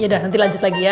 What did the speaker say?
yaudah nanti lanjut lagi ya